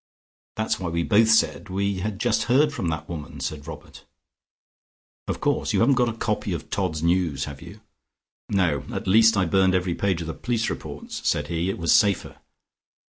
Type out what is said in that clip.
"That's why we both said we had just heard from that woman," said Robert. "Of course. You haven't got a copy of 'Todd's News,' have you?" "No: at least I burned every page of the police reports," said he. "It was safer."